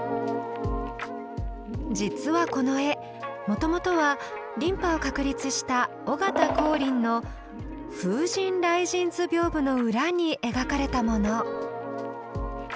実はこの絵もともとは琳派を確立した尾形光琳の「風神雷神図屏風」の裏に描かれたもの。